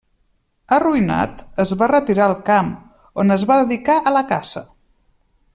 Arruïnat, es va retirar al camp, on es va dedicar a la caça.